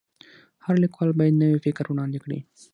هر لیکوال باید نوی فکر وړاندي کړي.